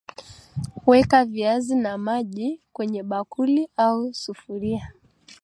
Weka viazi na maji kwenye bakuli au sufuria